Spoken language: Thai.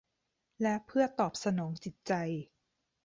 และเพื่อตอบสนองจิตใจ